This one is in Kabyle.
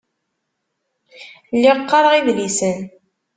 Lliɣ qqareɣ idlisen.